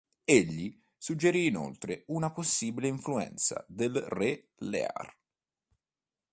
Egli suggerì inoltre una possibile influenza del "Re Lear".